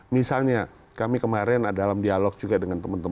misalnya kami kemarin dalam dialog juga dengan teman teman